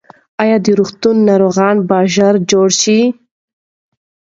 ایا د روغتون ناروغان به ژر جوړ شي؟